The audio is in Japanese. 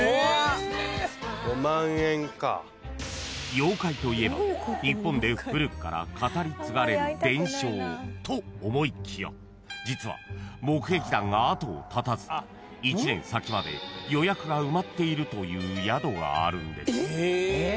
［妖怪といえば日本で古くから語り継がれる伝承と思いきや実は目撃談が後を絶たず１年先まで予約が埋まっているという宿があるんです］え！？